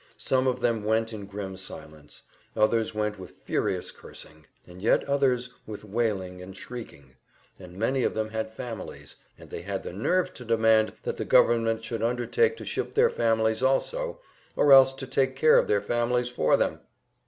Some of them went in grim silence, others went with furious cursings, and yet others with wailings and shriekings; for many of them had families, and they had the nerve to demand that the government should undertake to ship their families also, or else to take care of their families for them!